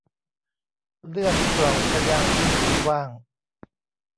เลื่อนกล่องไปยังพื้นที่ว่าง